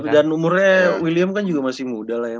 dan umurnya william kan juga masih muda lah ya